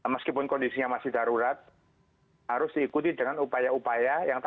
meskipun kondisinya masih darurat harus diikuti dengan upaya upaya